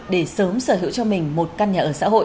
để sớm sở hữu cho mình một căn nhà ở xã hội